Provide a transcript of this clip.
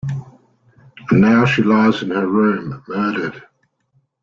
And now she lies in her room murdered!